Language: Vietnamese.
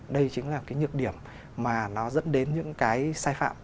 đây chính là cái nhược điểm mà nó dẫn đến những cái sai phạm